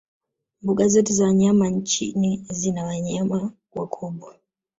mbuga zote za wanyama nchini zina wanayama wakubwa